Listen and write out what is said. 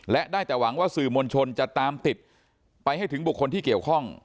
และได้แต่หวังว่าสื่อมวลชนจะตามติดไปให้ถึงบุคคลที่เกี่ยวข้อง